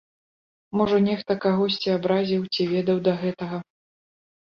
Можа нехта кагосьці абразіў ці ведаў да гэтага?